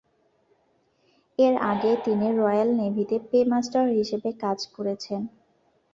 এর আগে তিনি রয়্যাল নেভিতে পেমাস্টার হিসেবে কাজ করেছেন।